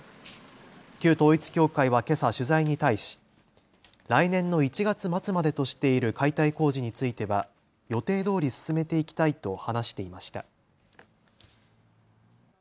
旧統一教会はけさ取材に対し、来年の１月末までとしている解体工事については予定どおり進めていきたいと話していました。